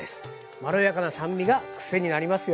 まろやかな酸味が癖になりますよ。